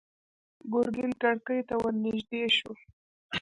ګرګين کړکۍ ته ور نږدې شو.